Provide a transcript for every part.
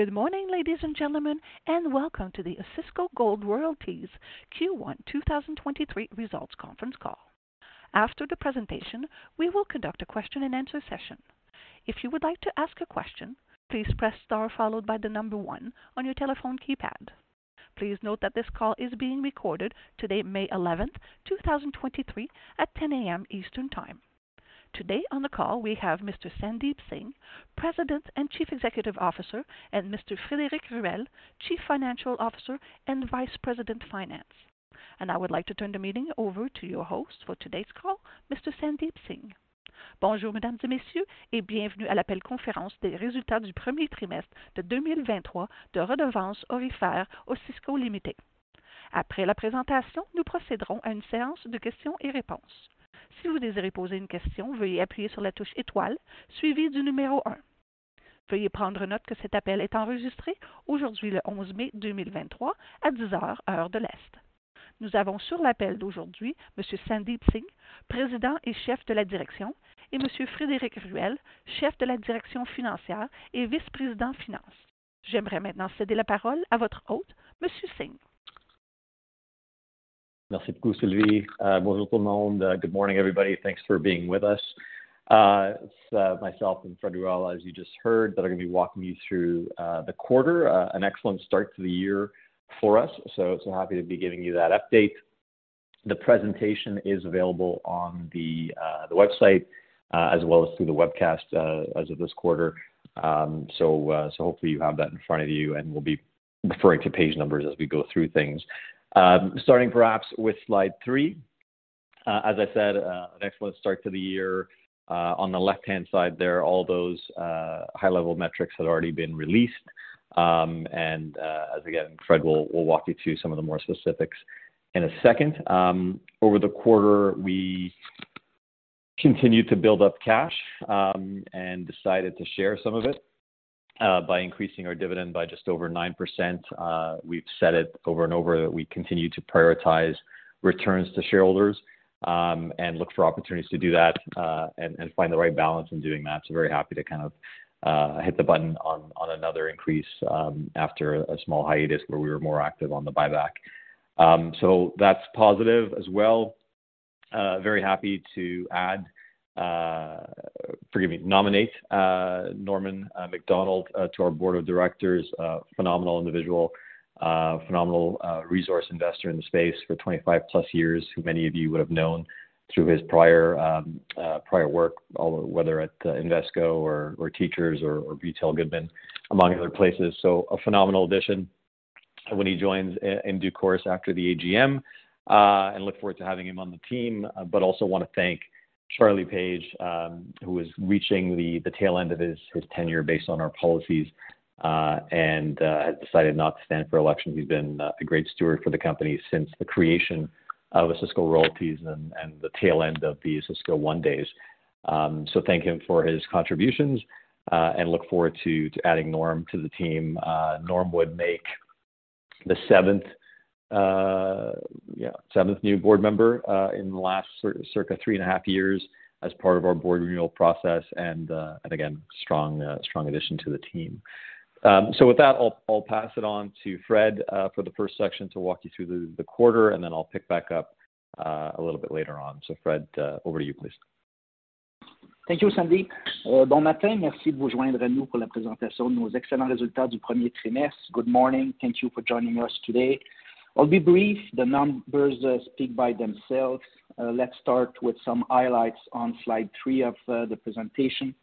Good morning, ladies and gentlemen, and welcome to the Osisko Gold Royalties Q1 2023 Results Conference Call. After the presentation, we will conduct a question-and-answer session. If you would like to ask a question, please press star followed by one on your telephone keypad. Please note that this call is being recorded today, May 11th, 2023 at 10:00A.M. Eastern Time. Today on the call we have Mr. Sandeep Singh, President and Chief Executive Officer, and Mr. Frédéric Ruel, Chief Financial Officer and Vice President, Finance. I would like to turn the meeting over to your host for today's call, Mr. Sandeep Singh. Merci beaucoup, Sylvie. Bonjour tout le monde. Good morning everybody. Thanks for being with us. It's myself and Frédéric Ruel, as you just heard, that are going to be walking you through the quarter. An excellent start to the year for us. So happy to be giving you that update. The presentation is available on the website, as well as through the webcast, as of this quarter. So hopefully you have that in front of you, and we'll be referring to page numbers as we go through things. Starting perhaps with Slide 3. As I said, an excellent start to the year. On the left-hand side there, all those high-level metrics had already been released. As again, Frédéric will walk you through some of the more specifics in a second. Over the quarter, we continued to build up cash, and decided to share some of it by increasing our dividend by just over 9%. We've said it over and over that we continue to prioritize returns to shareholders, and look for opportunities to do that, and find the right balance in doing that. Very happy to kind of hit the button on another increase, after a small hiatus where we were more active on the buyback. Very happy to add, forgive me, nominate Norman MacDonald to our board of directors. Phenomenal individual, phenomenal resource investor in the space for 25+ years, who many of you would have known through his prior prior work, although whether at Invesco or Teachers or Beutel Goodman, among other places. A phenomenal addition when he joins in due course after the AGM and look forward to having him on the team. Also want to thank Charlie Page, who is reaching the tail end of his tenure based on our policies and has decided not to stand for election. He's been a great steward for the company since the creation of Osisko Royalties and the tail end of the Osisko One days. Thank him for his contributions and look forward to adding Norm to the team. Norm would make the seventh, yeah, seventh new board member in the last circa 3.5 years as part of our board renewal process. Again, strong addition to the team. With that, I'll pass it on to Frédéric, for the first section to walk you through the quarter, and then I'll pick back up, a little bit later on. Frédéric, over to you, please. Thank you, Sandeep. Bon matin. Merci de vous joindre à nous pour la présentation de nos excellents résultats du premier trimestre. Good morning. Thank you for joining us today. I'll be brief. The numbers speak by themselves. Let's start with some highlights on slide three of the presentation.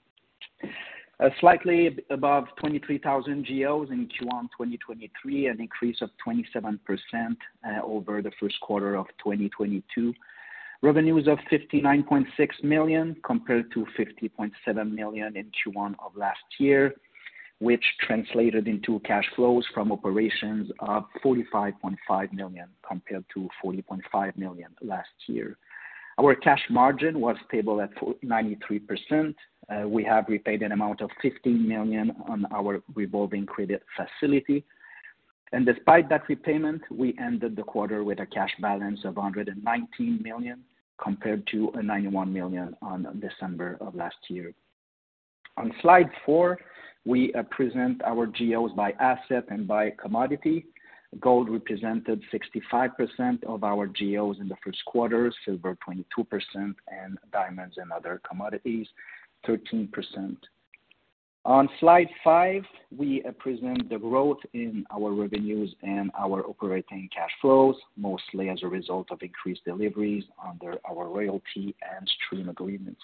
Slightly above 23,000 GEOs in Q1 2023, an increase of 27% over the first quarter of 2022. Revenues of 59.6 million compared to 50.7 million in Q1 of last year, which translated into cash flows from operations of 45.5 million, compared to 40.5 million last year. Our cash margin was stable at 93%. We have repaid an amount of 15 million on our revolving credit facility. Despite that repayment, we ended the quarter with a cash balance of 119 million, compared to 91 million on December of last year. On slide four, we present our GEOs by asset and by commodity. Gold represented 65% of our GEOs in the first quarter, silver 22%, and diamonds and other commodities, 13%. On slide five, we present the growth in our revenues and our operating cash flows, mostly as a result of increased deliveries under our royalty and stream agreements.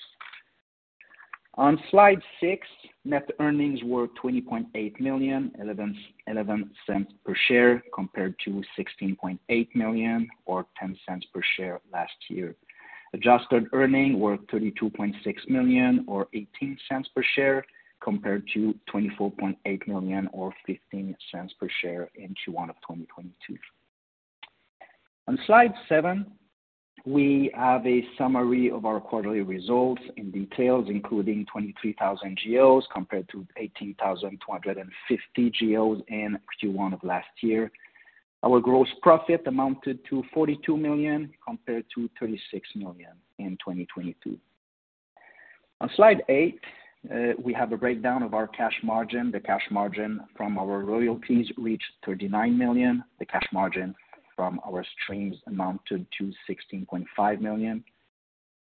On slide six, net earnings were 20.8 million, 11 cents per share, compared to 16.8 million or 10 cents per share last year. Adjusted earnings were 32.6 million or 18 cents per share, compared to 24.8 million or 15 cents per share in Q1 of 2022. On slide seven, we have a summary of our quarterly results in details, including 23,000 GEOs compared to 18,250 GEOs in Q1 of last year. Our gross profit amounted to 42 million, compared to 36 million in 2022. On slide eight, we have a breakdown of our cash margin. The cash margin from our royalties reached 39 million. The cash margin from our streams amounted to 16.5 million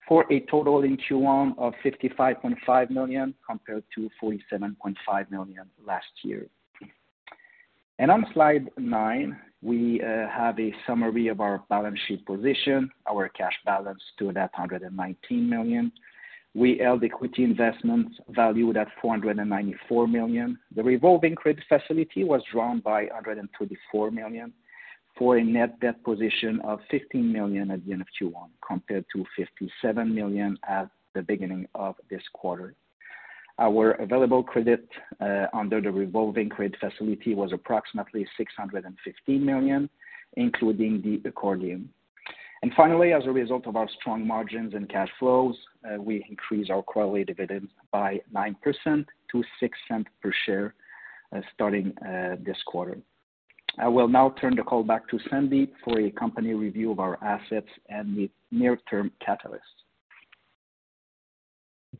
for a total in Q1 of 55.5 million, compared to 47.5 million last year. On slide nine, we have a summary of our balance sheet position. Our cash balance stood at 119 million. We held equity investments valued at 494 million. The revolving credit facility was drawn by 124 million for a net debt position of 15 million at the end of Q1, compared to 57 million at the beginning of this quarter. Our available credit under the revolving credit facility was approximately 615 million, including the accordion. Finally, as a result of our strong margins and cash flows, we increased our quarterly dividend by 9% to 0.06 per share, starting this quarter. I will now turn the call back to Sandeep for a company review of our assets and the near-term catalysts.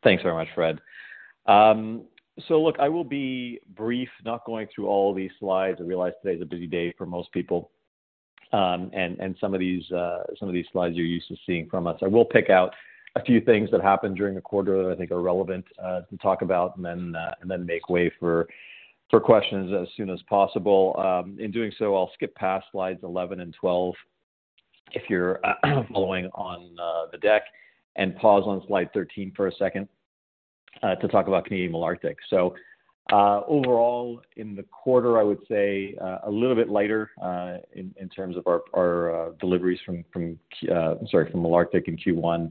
Thanks very much, Frédéric. Look, I will be brief, not going through all these slides. I realize today is a busy day for most people. Some of these slides you're used to seeing from us. I will pick out a few things that happened during the quarter that I think are relevant to talk about and then make way for questions as soon as possible. In doing so, I'll skip past slides 11 and 12 if you're following on the deck, and pause on slide 13 for a second to talk about Canadian Malartic. Overall in the quarter, I would say a little bit lighter in terms of our deliveries from sorry, from Malartic in Q1.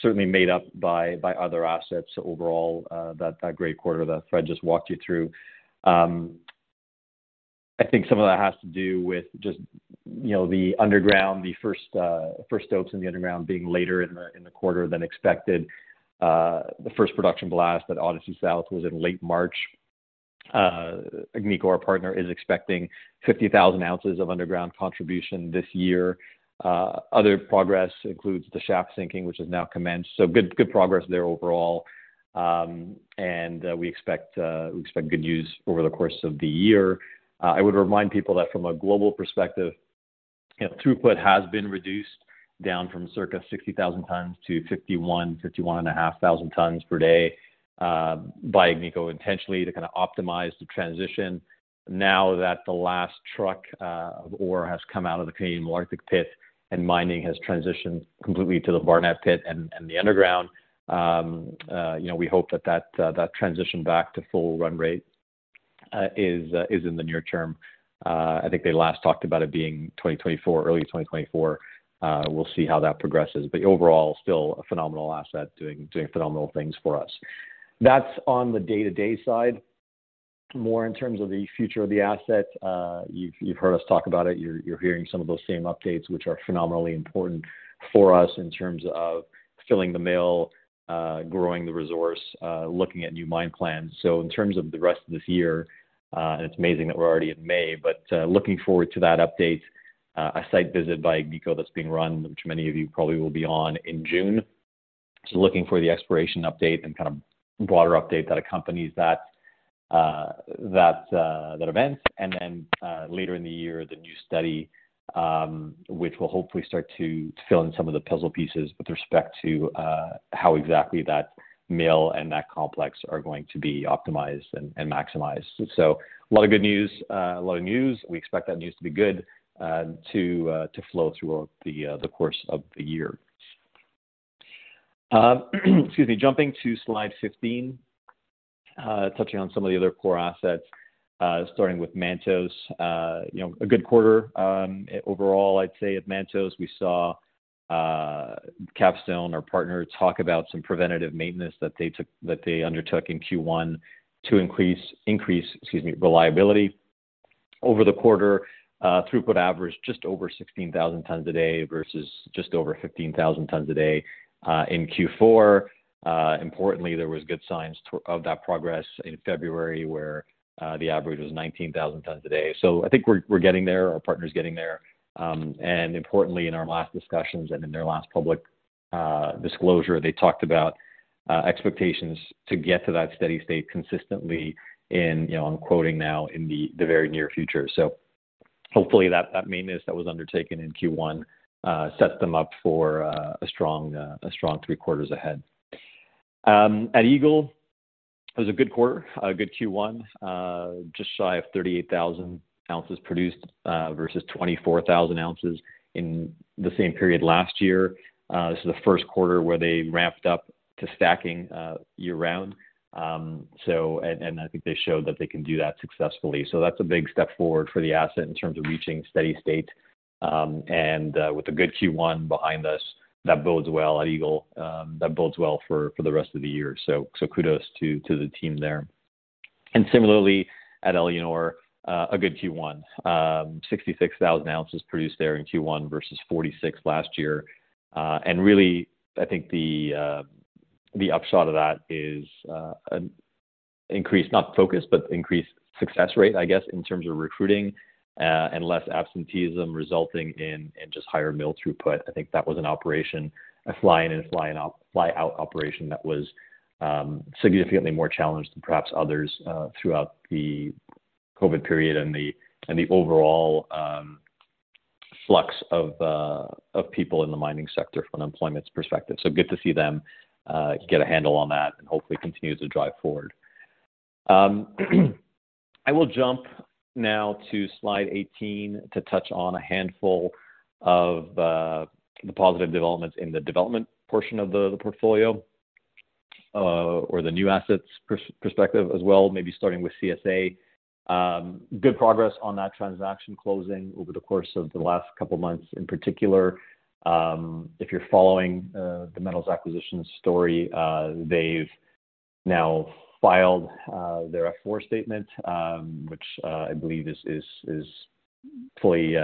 Certainly made up by other assets overall, that great quarter that Frédéric just walked you through. I think some of that has to do with just, you know, the underground, the first stopes in the underground being later in the quarter than expected. The first production blast at Odyssey South was in late March. Agnico, our partner, is expecting 50,000 ounces of underground contribution this year. Other progress includes the shaft sinking, which has now commenced. Good progress there overall. We expect good news over the course of the year. I would remind people that from a global perspective, throughput has been reduced down from circa 60,000 tons to 51,000-51,500 tons per day by Agnico intentionally to kinda optimize the transition now that the last truck of ore has come out of the Canadian Malartic pit and mining has transitioned completely to the Barnat pit and the underground. You know, we hope that transition back to full run rate is in the near term. I think they last talked about it being 2024, early 2024. We'll see how that progresses. Overall, still a phenomenal asset doing phenomenal things for us. That's on the day-to-day side. More in terms of the future of the asset, you've heard us talk about it. You're hearing some of those same updates, which are phenomenally important for us in terms of filling the mill, growing the resource, looking at new mine plans. In terms of the rest of this year, and it's amazing that we're already in May, but looking forward to that update, a site visit by Agnico that's being run, which many of you probably will be on in June. Looking for the exploration update and kind of broader update that accompanies that event. Then later in the year, the new study, which will hopefully start to fill in some of the puzzle pieces with respect to how exactly that mill and that complex are going to be optimized and maximized. A lot of good news, a lot of news. We expect that news to be good, to flow throughout the course of the year. Excuse me. Jumping to slide 15, touching on some of the other core assets, starting with Mantos. You know, a good quarter, overall I'd say at Mantos. We saw Capstone, our partner, talk about some preventative maintenance that they took, that they undertook in Q1 to increase, excuse me, reliability. Over the quarter, throughput averaged just over 16,000 tons a day versus just over 15,000 tons a day in Q4. Importantly, there was good signs of that progress in February where the average was 19,000 tons a day. I think we're getting there, our partner's getting there. Importantly in our last discussions and in their last public disclosure, they talked about expectations to get to that steady state consistently in, you know, I'm quoting now, "In the very near future." Hopefully that maintenance that was undertaken in Q1 sets them up for a strong three quarters ahead. At Eagle, it was a good quarter, a good Q1. Just shy of 38,000 ounces produced versus 24,000 ounces in the same period last year. This is the first quarter where they ramped up to stacking year-round. I think they showed that they can do that successfully. That's a big step forward for the asset in terms of reaching steady state. With a good Q1 behind us, that bodes well at Eagle. That bodes well for the rest of the year. Kudos to the team there. Similarly at Eleonore, a good Q1. 66,000 ounces produced there in Q1 versus 46 last year. Really, I think the upshot of that is increased, not focus, but increased success rate, I guess, in terms of recruiting, and less absenteeism resulting in just higher mill throughput. I think that was an operation, a fly in and fly out operation that was significantly more challenged than perhaps others throughout the COVID period and the, and the overall flux of people in the mining sector from an employment perspective. Good to see them get a handle on that and hopefully continue to drive forward. I will jump now to slide 18 to touch on a handful of the positive developments in the development portion of the portfolio or the new assets perspective as well. Maybe starting with CSA. Good progress on that transaction closing over the course of the last couple months in particular. If you're following the Metals Acquisition story, they've now filed their F4 statement, which I believe is fully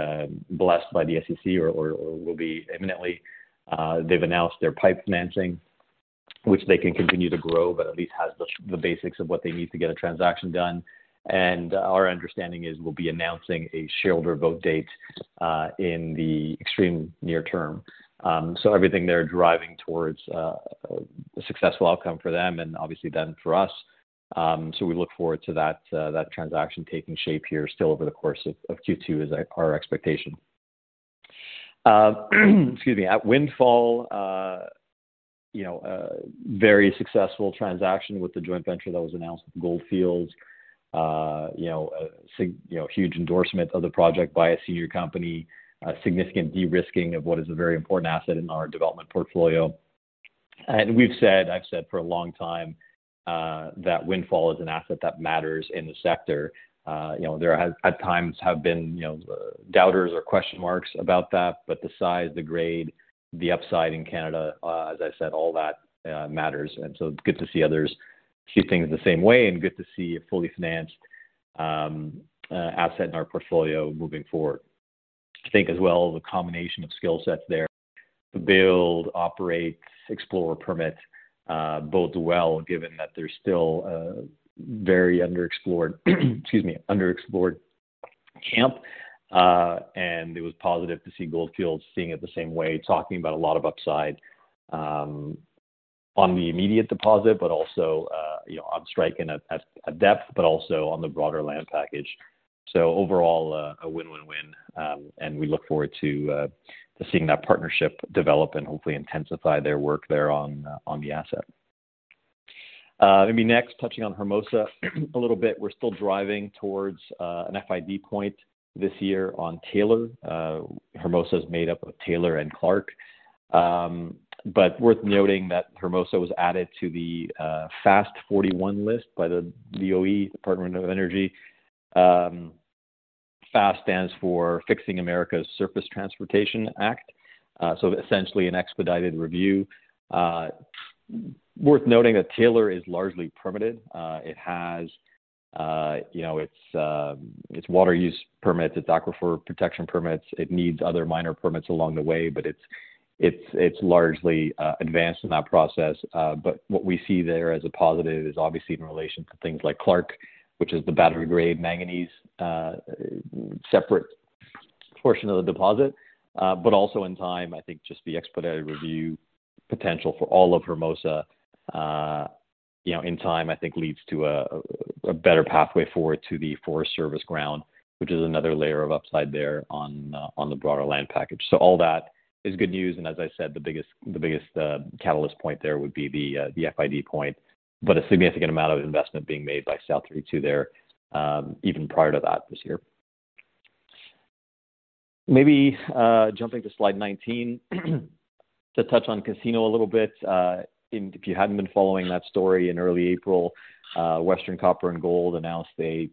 blessed by the SEC or will be imminently. They've announced their PIPE financing, which they can continue to grow, but at least has the basics of what they need to get a transaction done. Our understanding is we'll be announcing a shareholder vote date in the extreme near term. Everything they're driving towards a successful outcome for them and obviously then for us. We look forward to that transaction taking shape here still over the course of Q2 is our expectation. Excuse me. At Windfall, you know, a very successful transaction with the joint venture that was announced with Gold Fields. You know, a huge endorsement of the project by a senior company. A significant de-risking of what is a very important asset in our development portfolio. We've said, I've said for a long time that Windfall is an asset that matters in the sector. You know, there has at times have been, you know, doubters or question marks about that, but the size, the grade, the upside in Canada, as I said, all that matters. It's good to see others see things the same way and good to see a fully financed asset in our portfolio moving forward. I think as well, the combination of skill sets there to build, operate, explore, permit, bodes well given that they're still very underexplored, excuse me, underexplored camp. It was positive to see Gold Fields seeing it the same way, talking about a lot of upside on the immediate deposit, but also, you know, on strike and at depth, but also on the broader land package. Overall, a win-win-win. We look forward to seeing that partnership develop and hopefully intensify their work there on the asset. Maybe next, touching on Hermosa a little bit. We're still driving towards an FID point this year on Taylor. Hermosa is made up of Taylor and Clark. Worth noting that Hermosa was added to the FAST-41 List by the DOE, the Department of Energy. FAST stands for Fixing America's Surface Transportation Act. Essentially an expedited review. Worth noting that Taylor is largely permitted. It has, you know, its water use permits, its aquifer protection permits. It needs other minor permits along the way, but it's largely advanced in that process. What we see there as a positive is obviously in relation to things like Clark, which is the battery-grade manganese, separate portion of the deposit. Also in time, I think just the expedited review potential for all of Hermosa, you know, in time, I think leads to a better pathway forward to the Forest Service ground, which is another layer of upside there on the broader land package. All that is good news, as I said, the biggest catalyst point there would be the FID point, a significant amount of investment being made by South32 there even prior to that this year. Maybe, jumping to slide 19 to touch on Casino a little bit. If you hadn't been following that story, in early April, Western Copper and Gold announced a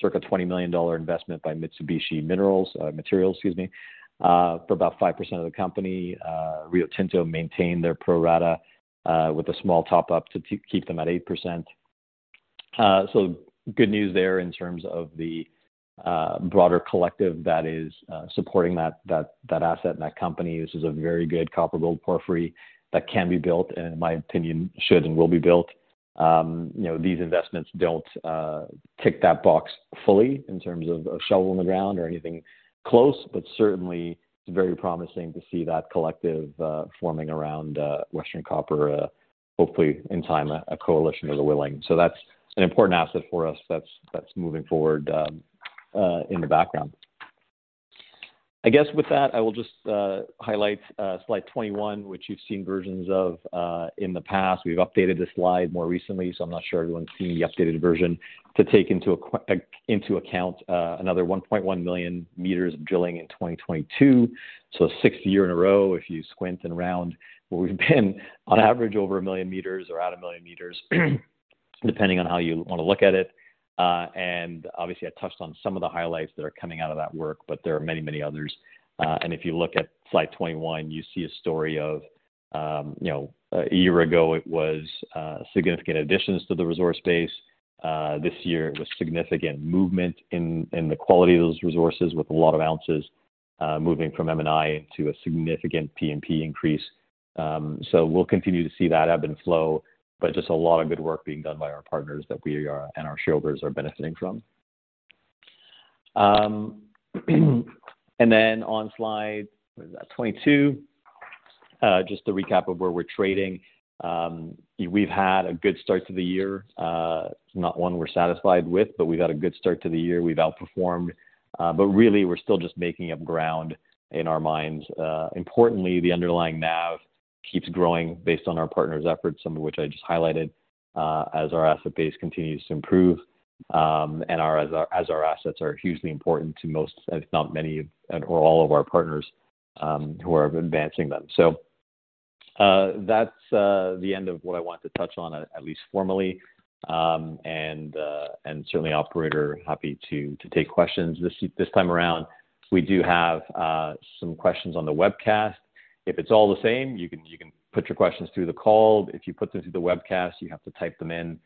circa $20 million investment by Mitsubishi Materials for about 5% of the company. Rio Tinto maintained their pro rata with a small top up to keep them at 8%. Good news there in terms of the broader collective that is supporting that asset and that company. This is a very good copper gold porphyry that can be built, and in my opinion, should and will be built. you know, these investments don't tick that box fully in terms of a shovel in the ground or anything close, but certainly it's very promising to see that collective forming around Western Copper hopefully in time a coalition of the willing. That's an important asset for us that's moving forward in the background. I guess with that, I will just highlight slide 21, which you've seen versions of in the past. We've updated this slide more recently, I'm not sure everyone's seen the updated version to take into account another 1.1 million meters of drilling in 2022. 6th year in a row, if you squint and round where we've been on average over one million meters or at one million meters, depending on how you wanna look at it. Obviously, I touched on some of the highlights that are coming out of that work, but there are many, many others. If you look at slide 21, you see a story of, you know, a year ago it was significant additions to the resource base. This year it was significant movement in the quality of those resources with a lot of ounces, moving from M&I into a significant PMP increase. We'll continue to see that ebb and flow, but just a lot of good work being done by our partners that we are, and our shareholders are benefiting from. On slide 22, just a recap of where we're trading. We've had a good start to the year, not one we're satisfied with, but we've had a good start to the year. We've outperformed, really, we're still just making up ground in our minds. Importantly, the underlying NAV keeps growing based on our partners' efforts, some of which I just highlighted, as our asset base continues to improve, as our assets are hugely important to most, if not many or all of our partners, who are advancing them. That's the end of what I wanted to touch on, at least formally. Certainly, operator, happy to take questions. This time around, we do have some questions on the webcast. If it's all the same, you can put your questions through the call. If you put them through the webcast, you have to type them in.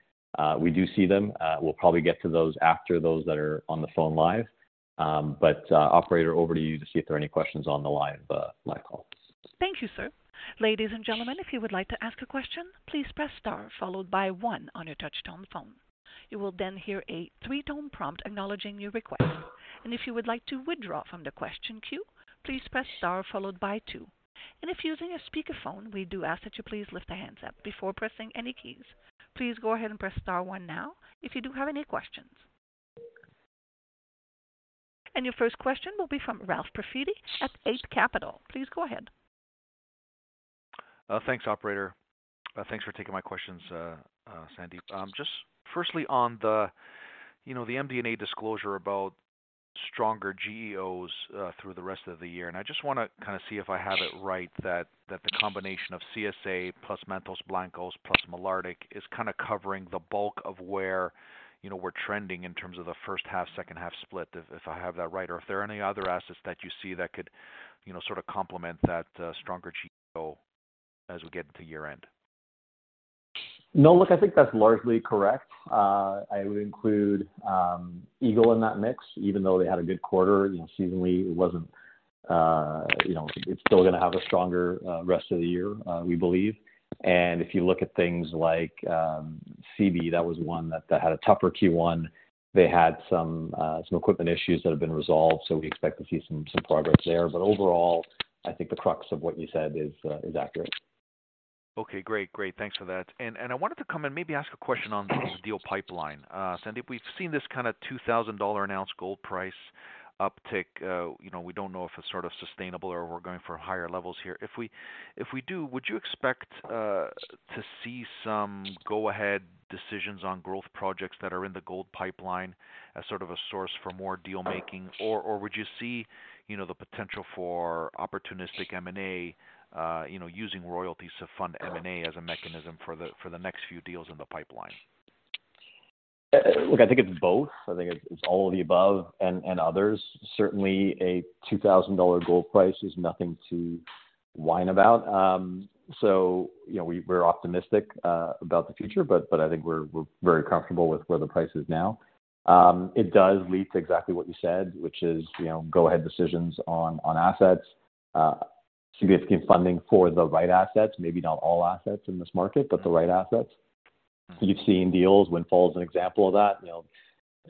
We do see them. We'll probably get to those after those that are on the phone live. Operator, over to you to see if there are any questions on the line, live call. Thank you, sir. Ladies and gentlemen, if you would like to ask a question, please press star followed by one on your touchtone phone. You will then hear a three-tone prompt acknowledging your request. If you would like to withdraw from the question queue, please press star followed by two. If you're using a speakerphone, we do ask that you please lift the handset before pressing any keys. Please go ahead and press star one now if you do have any questions. Your first question will be from Ralph Profiti at Eight Capital. Please go ahead. Thanks, operator. Thanks for taking my questions, Sandeep. Just firstly on the, you know, the MD&A disclosure about stronger GEOs through the rest of the year. I just wanna kind of see if I have it right that the combination of CSA plus Mantos Blancos plus Malartic is kind of covering the bulk of where, you know, we're trending in terms of the first half, second half split, if I have that right? If there are any other assets that you see that could, you know, sort of complement that stronger GEO as we get to year-end? No, look, I think that's largely correct. I would include Eagle in that mix, even though they had a good quarter. You know, seasonally, it wasn't, you know, it's still gonna have a stronger rest of the year, we believe. If you look at things like CB, that had a tougher Q1. They had some equipment issues that have been resolved, so we expect to see some progress there. Overall, I think the crux of what you said is accurate. Okay, great. Great. Thanks for that. I wanted to come and maybe ask a question on the deal pipeline. Sandeep, we've seen this kind of $2,000 an ounce gold price uptick. you know, we don't know if it's sort of sustainable or we're going for higher levels here. If we, if we do, would you expect to see some go-ahead decisions on growth projects that are in the gold pipeline as sort of a source for more deal-making? Or would you see, you know, the potential for opportunistic M&A, you know, using royalties to fund M&A as a mechanism for the, for the next few deals in the pipeline? Look, I think it's both. I think it's all of the above and others. Certainly, a $2,000 gold price is nothing to whine about. You know, we're optimistic about the future, but I think we're very comfortable with where the price is now. It does lead to exactly what you said, which is, you know, go-ahead decisions on assets, significant funding for the right assets, maybe not all assets in this market, but the right assets. You've seen deals, Windfall is an example of that. You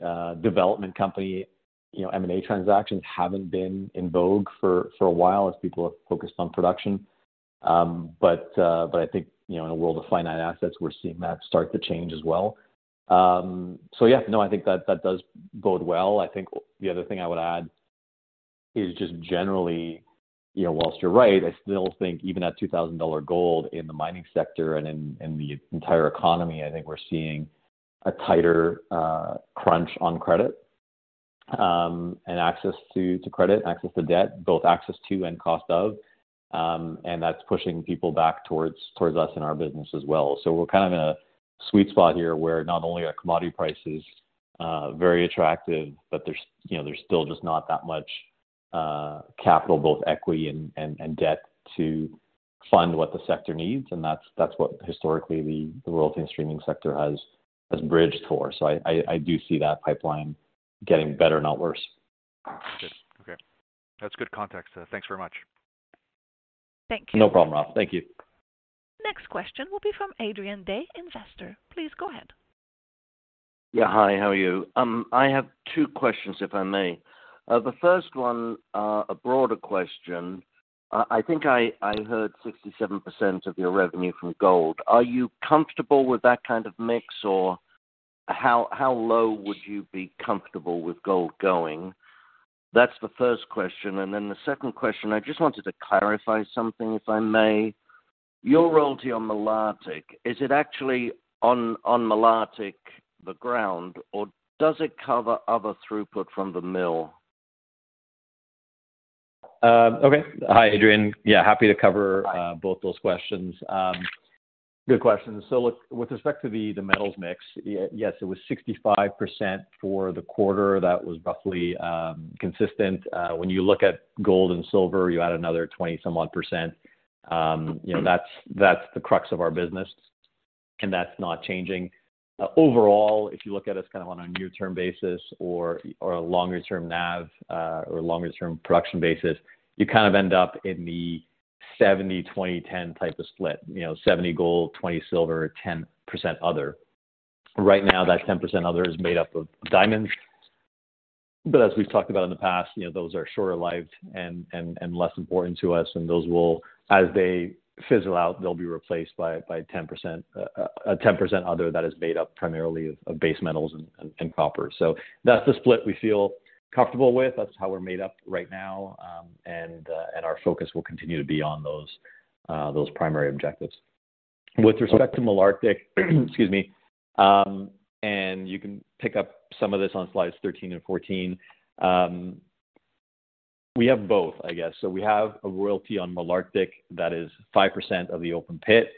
know, development company, you know, M&A transactions haven't been in vogue for a while as people have focused on production. I think, you know, in a world of finite assets, we're seeing that start to change as well. Yeah, no, I think that does bode well. I think the other thing I would add is just generally, you know, whilst you're right, I still think even at $2,000 gold in the mining sector and in the entire economy, I think we're seeing a tighter crunch on credit and access to credit, access to debt, both access to and cost of, that's pushing people back towards us in our business as well. We're kind of in a sweet spot here where not only are commodity prices very attractive, but there's, you know, there's still just not that much capital, both equity and debt to fund what the sector needs. That's, that's what historically the royalty and streaming sector has bridged for. I do see that pipeline getting better, not worse. Good. Okay. That's good context. Thanks very much. Thank you. No problem, Ralph. Thank you. Next question will be from Adrian Day, Investor. Please go ahead. Yeah. Hi, how are you? I have two questions, if I may. The first one, a broader question. I think I heard 67% of your revenue from gold. Are you comfortable with that kind of mix, or how low would you be comfortable with gold going? That's the first question. The second question, I just wanted to clarify something, if I may. Your royalty on Malartic, is it actually on Malartic the ground, or does it cover other throughput from the mill? Okay. Hi, Adrian. Yeah, happy to cover both those questions. Good questions. Look, with respect to the metals mix, yes, it was 65% for the quarter. That was roughly consistent. When you look at gold and silver, you add another 20 some odd %. You know, that's the crux of our business. That's not changing. Overall, if you look at us kind of on a near-term basis or a longer-term NAV, or longer-term production basis, you kind of end up in the 70/20/10 type of split. You know, 70% gold, 20% silver, 10% other. Right now, that 10% other is made up of diamonds. As we've talked about in the past, you know, those are shorter-lived and, and less important to us, and those will, as they fizzle out, they'll be replaced by 10%, a 10% other that is made up primarily of base metals and, and copper. That's the split we feel comfortable with. That's how we're made up right now, and our focus will continue to be on those primary objectives. With respect to Malartic, excuse me, and you can pick up some of this on slides 13 and 14. We have both, I guess. We have a royalty on Malartic that is 5% of the open pit.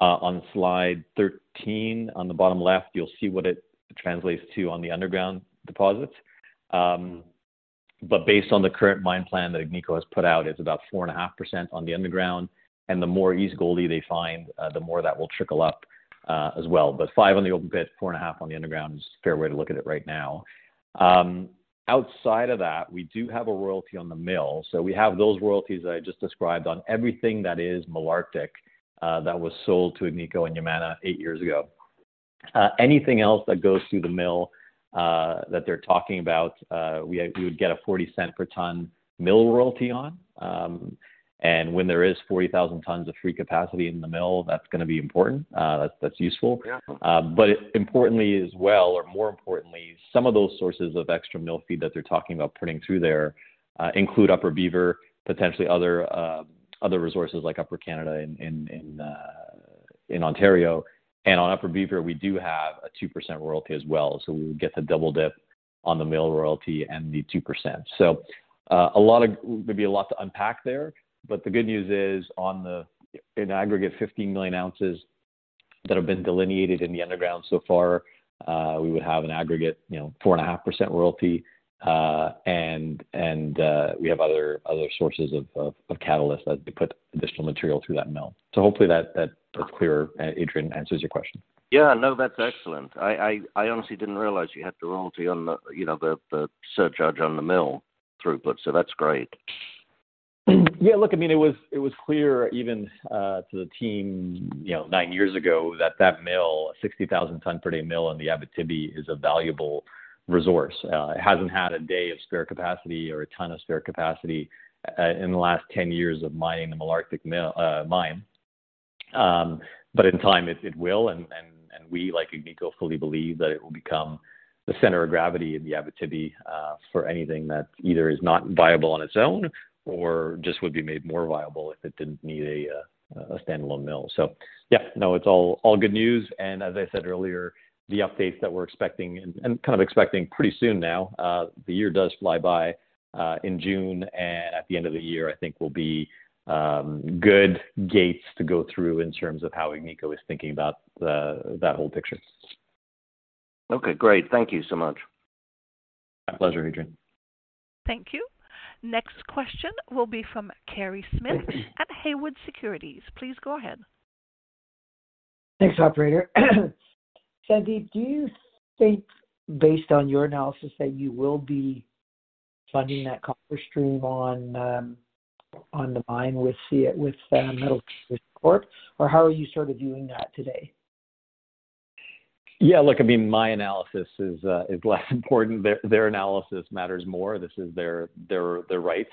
On slide 13 on the bottom left, you'll see what it translates to on the underground deposits. Based on the current mine plan that Agnico has put out, it's about 4.5% on the underground, and the more East Gouldie they find, the more that will trickle up as well. Five on the open pit, 4.5 on the underground is a fair way to look at it right now. Outside of that, we do have a royalty on the mill, so we have those royalties that I just described on everything that is Malartic, that was sold to Agnico and Yamana eight years ago. Anything else that goes through the mill, that they're talking about, we would get a 0.40 per ton mill royalty on. When there is 40,000 tons of free capacity in the mill, that's gonna be important. That's useful. Yeah. Importantly as well, or more importantly, some of those sources of extra mill feed that they're talking about putting through there, include Upper Beaver, potentially other resources like Upper Canada in Ontario. On Upper Beaver, we do have a 2% royalty as well. We would get the double dip on the mill royalty and the 2%. Maybe a lot to unpack there, but the good news is on the in aggregate 15 million ounces that have been delineated in the underground so far, we would have an aggregate, you know, 4.5% royalty, and we have other sources of catalyst as they put additional material through that mill. Hopefully that are clear, Adrian, answers your question. Yeah. No, that's excellent. I, I honestly didn't realize you had the royalty on the, you know, the surcharge on the mill throughput. That's great. Yeah, look, it was, it was clear even to the team, nine years ago that that mill, 60,000 ton per day mill in the Abitibi is a valuable resource. It hasn't had a day of spare capacity or a ton of spare capacity in the last 10 years of mining the Malartic mill, mine. In time, it will, and we, like Agnico, fully believe that it will become the center of gravity in the Abitibi for anything that either is not viable on its own or just would be made more viable if it didn't need a standalone mill. Yeah, no, it's all good news. As I said earlier, the updates that we're expecting and kind of expecting pretty soon now, the year does fly by, in June and at the end of the year, I think will be good gates to go through in terms of how Agnico is thinking about the, that whole picture. Okay, great. Thank you so much. My pleasure, Adrian. Thank you. Next question will be from Kerry Smith at Haywood Securities. Please go ahead. Thanks, operator. Sandeep, do you think, based on your analysis, that you will be funding that copper stream on the mine with Metal Corp, or how are you sort of viewing that today? Yeah, look, I mean, my analysis is less important. Their analysis matters more. This is their right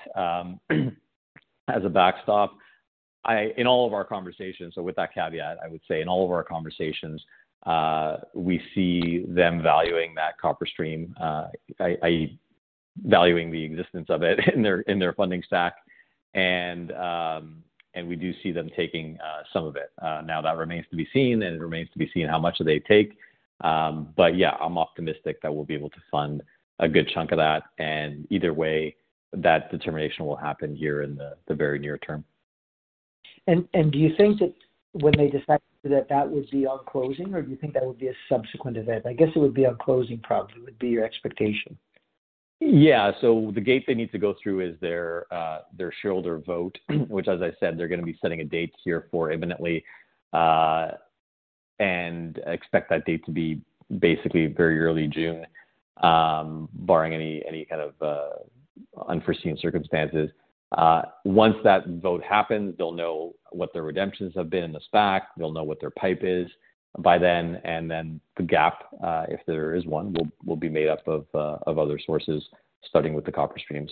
as a backstop. In all of our conversations, with that caveat, I would say in all of our conversations, we see them valuing that copper stream, valuing the existence of it in their funding stack. We do see them taking some of it. Now, that remains to be seen, it remains to be seen how much do they take. Yeah, I'm optimistic that we'll be able to fund a good chunk of that, either way, that determination will happen here in the very near term. Do you think that when they decide that would be on closing, or do you think that would be a subsequent event? I guess it would be on closing probably, would be your expectation. Yeah. The gate they need to go through is their shareholder vote, which, as I said, they're gonna be setting a date here for imminently. And I expect that date to be basically very early June, barring any kind of unforeseen circumstances. Once that vote happens, they'll know what their redemptions have been in the SPAC. They'll know what their PIPE is by then, and then the gap, if there is one, will be made up of other sources, starting with the copper stream.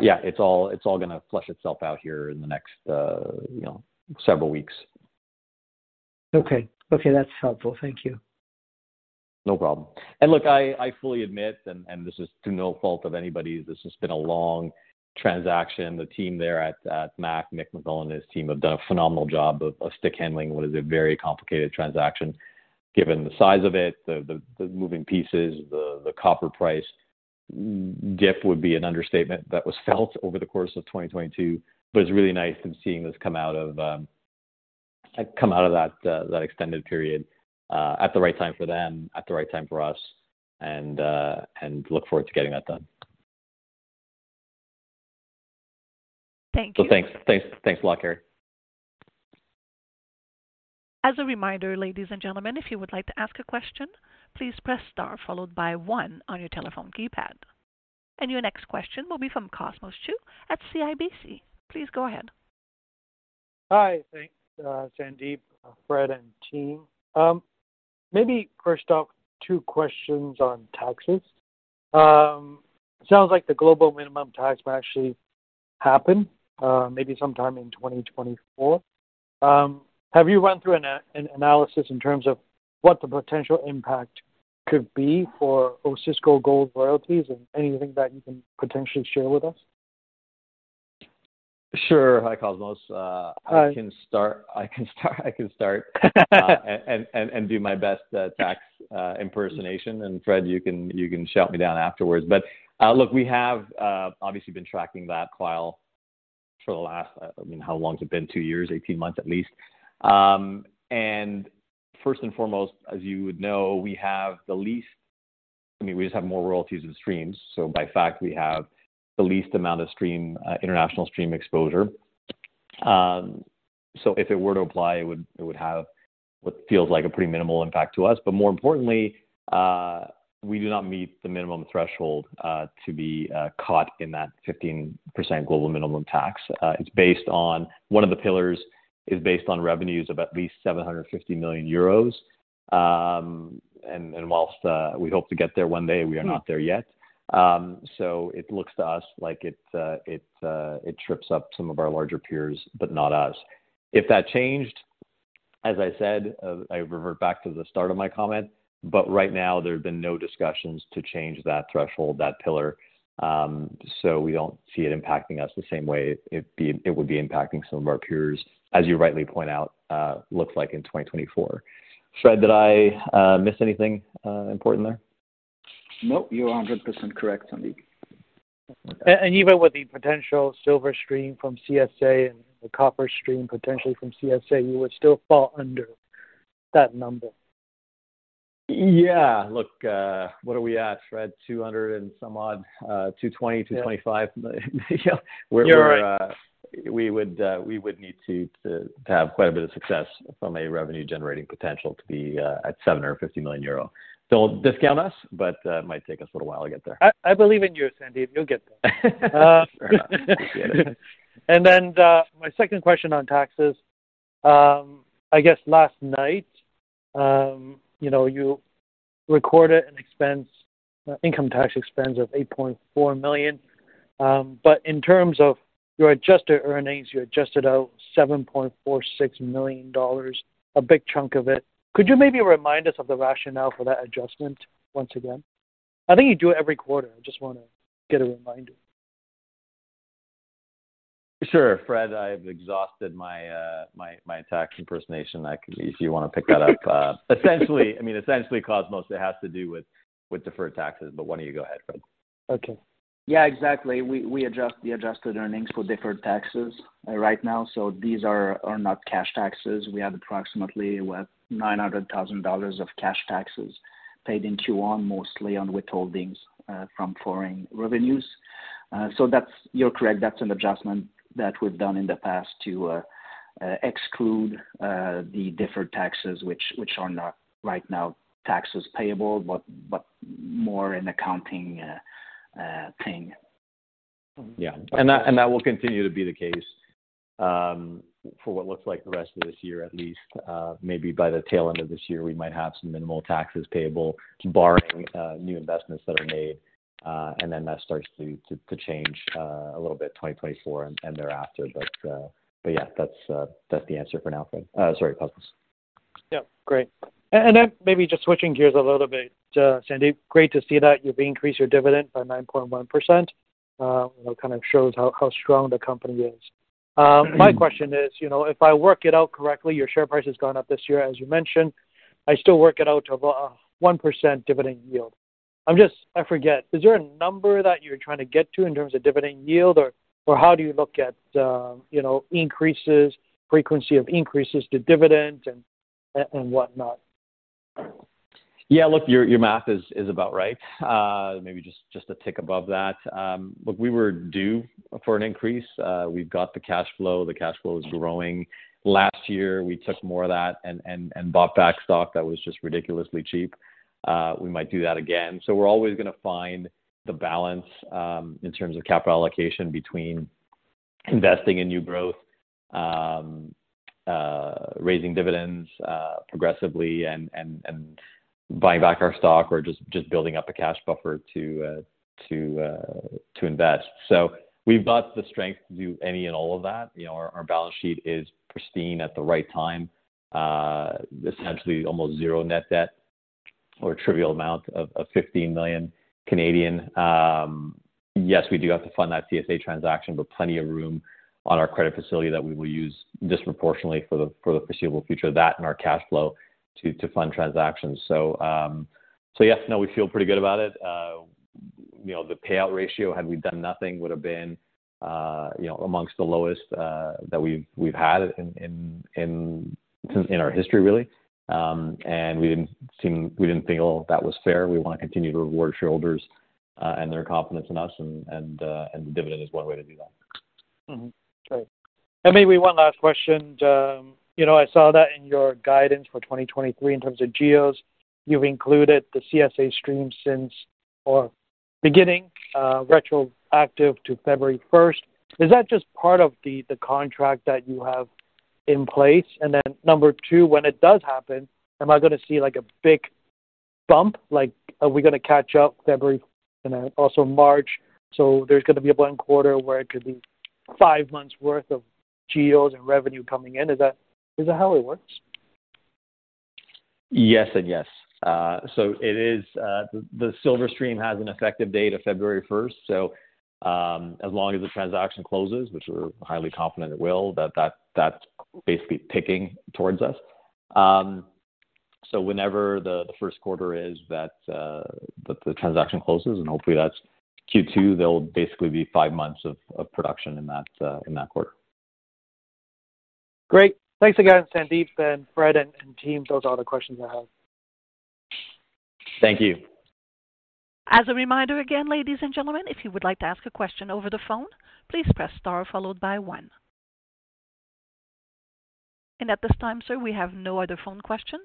Yeah, it's all, it's all gonna flush itself out here in the next, you know, several weeks. Okay. Okay, that's helpful. Thank you. No problem. Look, I fully admit, and this is to no fault of anybody's, this has been a long transaction. The team there at MAC, Mick McMullen and his team have done a phenomenal job of stick handling what is a very complicated transaction, given the size of it, the, the moving pieces, the copper price dip would be an understatement that was felt over the course of 2022. It's really nice in seeing this come out of, come out of that extended period, at the right time for them, at the right time for us, and look forward to getting that done. Thank you. Thanks. Thanks a lot, Kerry. As a reminder, ladies and gentlemen, if you would like to ask a question, please press star followed by one on your telephone keypad. Your next question will be from Cosmos Chiu at CIBC. Please go ahead. Hi. Thanks, Sandeep, Frédéric, and team. Maybe first off, two questions on taxes. Sounds like the global minimum tax will actually happen, maybe sometime in 2024. Have you run through an analysis in terms of what the potential impact could be for Osisko Gold Royalties and anything that you can potentially share with us? Sure. Hi, Cosmos. Hi. I can start, and do my best tax impersonation. Frédéric, you can shout me down afterwards. Look, we have obviously been tracking that while for the last, I mean, how long has it been? Two years, 18 months at least. First and foremost, as you would know, we have the least... I mean, we just have more royalties than streams, so by fact, we have the least amount of stream international stream exposure. If it were to apply, it would have what feels like a pretty minimal impact to us. More importantly, we do not meet the minimum threshold to be caught in that 15% global minimum tax. It's based on... One of the pillars is based on revenues of at least 750 million euros. Whilst we hope to get there one day, we are not there yet. It looks to us like it trips up some of our larger peers, but not us. If that changed, as I said, I revert back to the start of my comment. Right now there have been no discussions to change that threshold, that pillar. We don't see it impacting us the same way it would be impacting some of our peers, as you rightly point out, looks like in 2024. Frédéric, did I miss anything important there? Nope, you're 100% correct, Sandeep. Even with the potential silver stream from CSA and the copper stream potentially from CSA, you would still fall under that number. Yeah. Look, what are we at, Frédéric? 200 and some odd, 220 million, 225 million, you know. You're right. We would need to have quite a bit of success from a revenue-generating potential to be at 750 million euro. Don't discount us, but it might take us a little while to get there. I believe in you, Sandeep. You'll get there. Sure. Appreciate it. My second question on taxes. I guess last night, you know, you recorded an expense, income tax expense of 8.4 million. In terms of your adjusted earnings, you adjusted out 7.46 million dollars, a big chunk of it. Could you maybe remind us of the rationale for that adjustment once again? I think you do it every quarter. I just wanna get a reminder. Sure. Frédéric, I've exhausted my tax impersonation. If you wanna pick that up. Essentially, I mean, essentially, Cosmos, it has to do with deferred taxes. Why don't you go ahead, Frédéric? Okay. Yeah, exactly. We adjust the adjusted earnings for deferred taxes right now. These are not cash taxes. We have approximately, what, 900,000 dollars of cash taxes paid in Q1, mostly on withholdings from foreign revenues. That's. You're correct. That's an adjustment that we've done in the past to exclude the deferred taxes, which are not right now taxes payable, but more an accounting thing. Yeah. That will continue to be the case for what looks like the rest of this year, at least. Maybe by the tail end of this year, we might have some minimal taxes payable barring new investments that are made, and then that starts to change a little bit 2024 and thereafter. Yeah, that's the answer for now, Frédéric Ruel. Sorry, Cosmos. Yeah. Great. Then maybe just switching gears a little bit, Sandeep. Great to see that you've increased your dividend by 9.1%. It kind of shows how strong the company is. My question is, you know, if I work it out correctly, your share price has gone up this year, as you mentioned. I still work it out to a 1% dividend yield. I'm just, I forget. Is there a number that you're trying to get to in terms of dividend yield? Or how do you look at, you know, increases, frequency of increases to dividend and whatnot? Yeah. Look, your math is about right. Maybe just a tick above that. Look, we were due for an increase. We've got the cash flow. The cash flow is growing. Last year, we took more of that and bought back stock that was just ridiculously cheap. We might do that again. We're always gonna find the balance in terms of capital allocation between investing in new growth, raising dividends progressively and buying back our stock or just building up a cash buffer to invest. We've got the strength to do any and all of that. You know, our balance sheet is pristine at the right time. Essentially almost zero net debt or trivial amount of 15 million. Yes, we do have to fund that TSA transaction, plenty of room on our credit facility that we will use disproportionately for the foreseeable future, that and our cash flow to fund transactions. Yes, no, we feel pretty good about it. You know, the payout ratio, had we done nothing, would've been, you know, amongst the lowest that we've had in our history, really. We didn't think all that was fair. We wanna continue to reward shareholders, and their confidence in us and the dividend is one way to do that. Okay. Maybe one last question. You know, I saw that in your guidance for 2023 in terms of GEOs, you've included the CSA stream since or beginning, retroactive to February 1st. Is that just part of the contract that you have in place? Number two, when it does happen, am I gonna see like a big bump? Like, are we gonna catch up February and then also March, so there's gonna be a blend quarter where it could be five months worth of GEOs and revenue coming in. Is that how it works? Yes and yes. It is the Silver Stream has an effective date of February first. As long as the transaction closes, which we're highly confident it will, that's basically ticking towards us. Whenever the first quarter is that the transaction closes, and hopefully that's Q2, there'll basically be five months of production in that in that quarter. Great. Thanks again, Sandeep and Frédéric and team. Those are all the questions I have. Thank you. As a reminder again, ladies and gentlemen, if you would like to ask a question over the phone, please press star followed by one. At this time, sir, we have no other phone questions.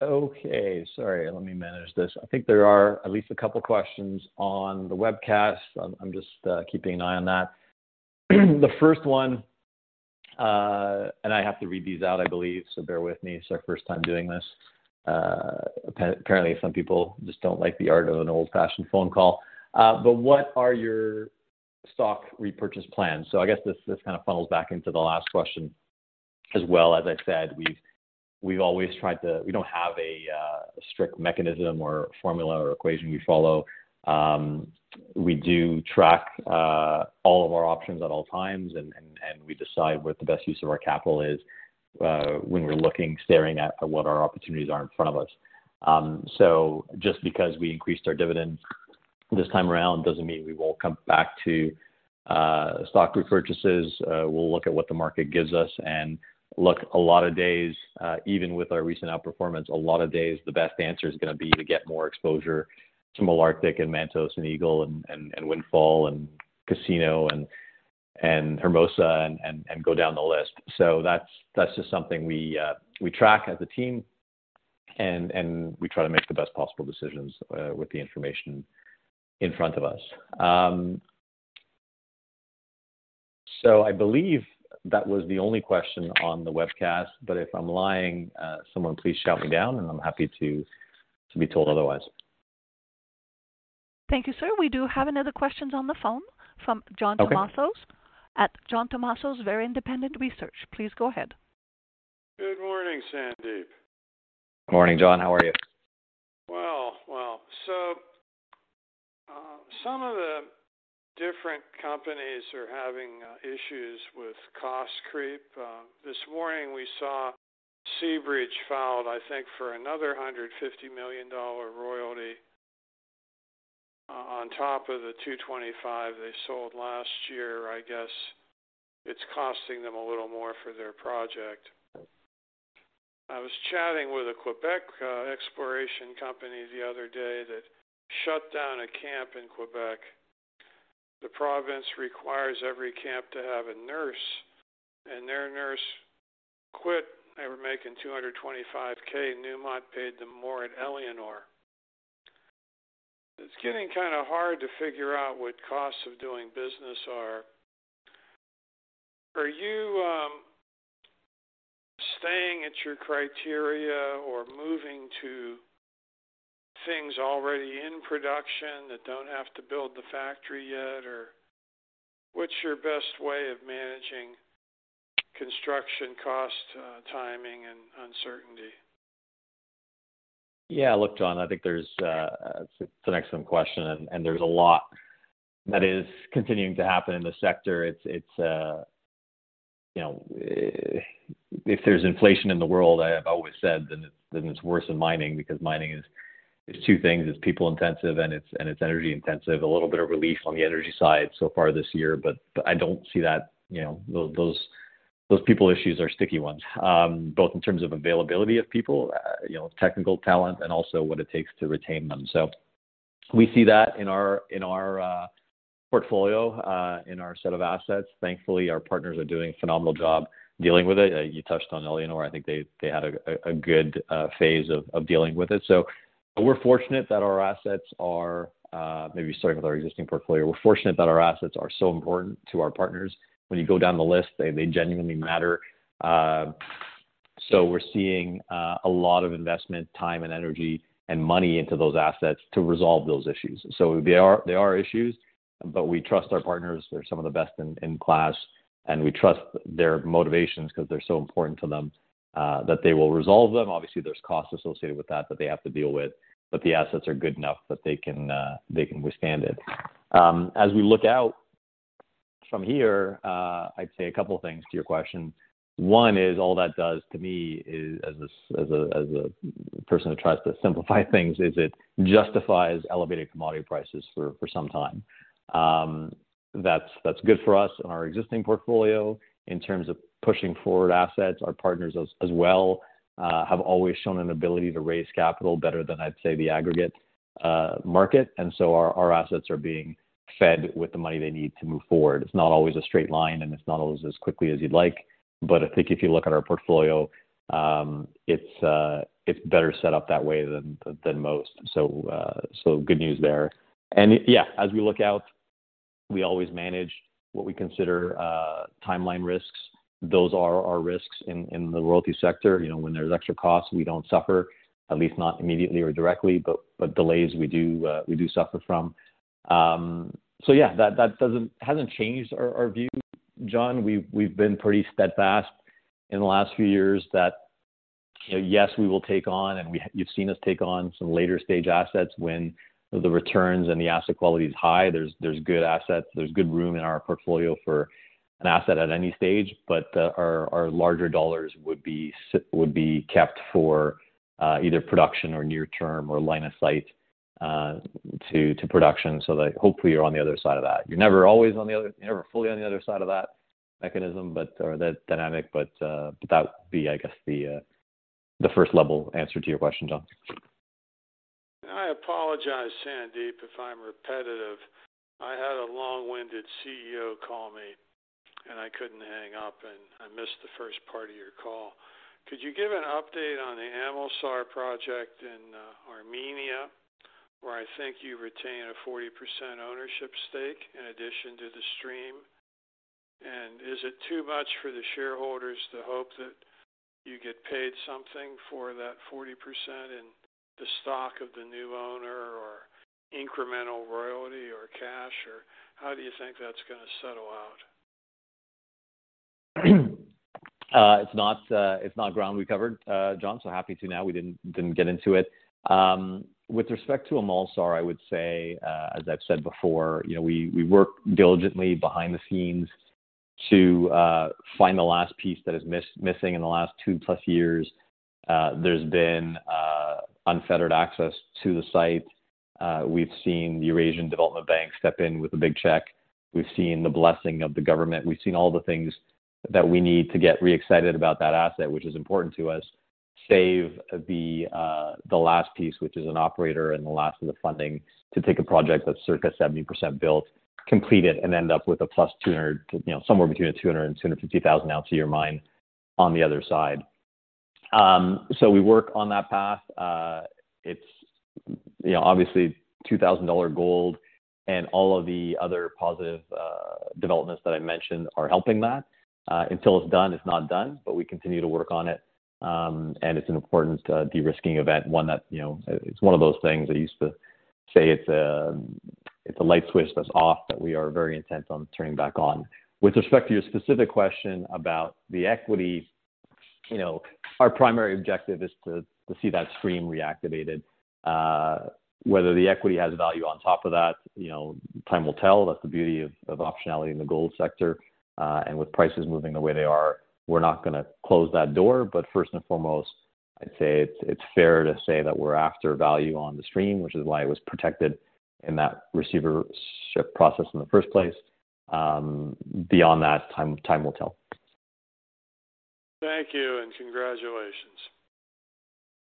Okay. Sorry, let me manage this. I think there are at least a couple questions on the webcast. I'm just keeping an eye on that. The first one, I have to read these out, I believe, so bear with me. It's our first time doing this. Apparently some people just don't like the art of an old-fashioned phone call. What are your stock repurchase plans? I guess this kind of funnels back into the last question as well. As I said, we've always tried to... We don't have a strict mechanism or formula or equation we follow. We do track all of our options at all times and we decide what the best use of our capital is when we're looking, staring at what our opportunities are in front of us. Just because we increased our dividend this time around doesn't mean we won't come back to stock repurchases. We'll look at what the market gives us, and look, a lot of days, even with our recent outperformance, a lot of days the best answer is gonna be to get more exposure to Malartic and Mantos and Eagle and Windfall and Casino and Hermosa and go down the list. That's just something we track as a team and we try to make the best possible decisions with the information in front of us. I believe that was the only question on the webcast, but if I'm lying, someone please shout me down, and I'm happy to be told otherwise. Thank you, sir. We do have another questions on the phone from John Tumazos. Okay. At John Tumazos Very Independent Research. Please go ahead. Good morning, Sandeep. Morning, John. How are you? Well, well. Some of the different companies are having issues with cost creep. This morning we saw Seabridge filed, I think, for another $150 million royalty on top of the $225 million they sold last year. I guess it's costing them a little more for their project. I was chatting with a Quebec exploration company the other day that shut down a camp in Quebec. The province requires every camp to have a nurse, and their nurse quit. They were making $225,000. Newmont paid them more at Éléonore. It's getting kinda hard to figure out what costs of doing business are. Are you staying at your criteria or moving to things already in production that don't have to build the factory yet? What's your best way of managing construction cost, timing and uncertainty? Yeah. Look, John, I think there's, it's an excellent question, and there's a lot that is continuing to happen in the sector. It's, you know. If there's inflation in the world, I have always said, then it's worse than mining because mining is, it's two things. It's people intensive, and it's energy intensive. A little bit of relief on the energy side so far this year, but I don't see that, you know, those people issues are sticky ones, both in terms of availability of people, you know, technical talent and also what it takes to retain them. We see that in our portfolio, in our set of assets. Thankfully, our partners are doing a phenomenal job dealing with it. You touched on Eleonore. I think they had a good phase of dealing with it. We're fortunate that our assets are, maybe starting with our existing portfolio, we're fortunate that our assets are so important to our partners. When you go down the list, they genuinely matter. We're seeing a lot of investment time and energy and money into those assets to resolve those issues. They are issues, but we trust our partners. They're some of the best in class, and we trust their motivations because they're so important to them, that they will resolve them. Obviously, there's costs associated with that that they have to deal with, but the assets are good enough that they can withstand it. As we look out from here, I'd say a couple things to your question. One is all that does to me is as a, as a person who tries to simplify things, is it justifies elevated commodity prices for some time. That's good for us in our existing portfolio in terms of pushing forward assets. Our partners as well have always shown an ability to raise capital better than I'd say the aggregate market. So our assets are being fed with the money they need to move forward. It's not always a straight line, and it's not always as quickly as you'd like. I think if you look at our portfolio, it's better set up that way than most. Good news there. Yeah, as we look out, we always manage what we consider timeline risks. Those are our risks in the royalty sector. You know, when there's extra costs, we don't suffer, at least not immediately or directly, but delays we do suffer from. Yeah, that hasn't changed our view, John. We've been pretty steadfast in the last few years that, you know, yes, we will take on, you've seen us take on some later stage assets when the returns and the asset quality is high. There's good assets, there's good room in our portfolio for an asset at any stage. Our larger dollars would be kept for either production or near term or line of sight to production. That hopefully you're on the other side of that. You're never fully on the other side of that mechanism, but or that dynamic. That would be, I guess, the first level answer to your question, John. I apologize, Sandeep, if I'm repetitive. I had a long-winded CEO call me, and I couldn't hang up, and I missed the first part of your call. Could you give an update on the Amulsar project in Armenia, where I think you retain a 40% ownership stake in addition to the stream? Is it too much for the shareholders to hope that you get paid something for that 40% in the stock of the new owner or incremental royalty or cash or how do you think that's gonna settle out? It's not, it's not ground we covered, John, so happy to now. We didn't get into it. With respect to Amulsar, I would say, as I've said before, you know, we work diligently behind the scenes to find the last piece that is missing in the last two plus years. There's been unfettered access to the site. We've seen the Eurasian Development Bank step in with a big check. We've seen the blessing of the government. We've seen all the things that we need to get re-excited about that asset, which is important to us, save the last piece, which is an operator and the last of the funding to take a project that's circa 70% built, complete it and end up with a +200, you know, somewhere between a 200,000 and 250,000 ounce a year mine on the other side. We work on that path. It's, you know, obviously $2,000 gold and all of the other positive developments that I mentioned are helping that. Until it's done, it's not done, but we continue to work on it. It's an important de-risking event, one that, you know, it's one of those things I used to say, it's a light switch that's off that we are very intent on turning back on. With respect to your specific question about the equity, you know, our primary objective is to see that stream reactivated. Whether the equity has value on top of that, you know, time will tell. That's the beauty of optionality in the gold sector. With prices moving the way they are, we're not gonna close that door. First and foremost, I'd say it's fair to say that we're after value on the stream, which is why it was protected in that receivership process in the first place. Beyond that, time will tell. Thank you, and congratulations.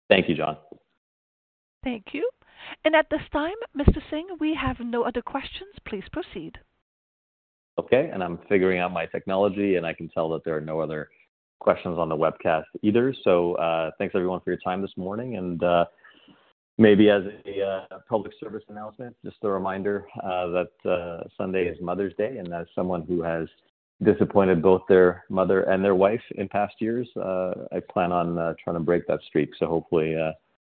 Thank you, John. Thank you. At this time, Mr. Singh, we have no other questions. Please proceed. Okay. I'm figuring out my technology, and I can tell that there are no other questions on the webcast either. Thanks everyone for your time this morning. Maybe as a public service announcement, just a reminder that Sunday is Mother's Day, and as someone who has disappointed both their mother and their wife in past years, I plan on trying to break that streak. Hopefully,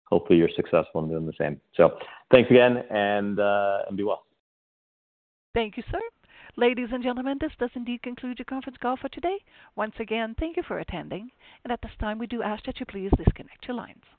hopefully you're successful in doing the same. Thanks again, and be well. Thank you, sir. Ladies and gentlemen, this does indeed conclude your conference call for today. Once again, thank you for attending. At this time, we do ask that you please disconnect your lines.